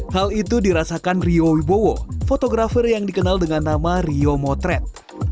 hal itu dirasakan rio wibowo fotografer yang dikenal dengan nama rio motret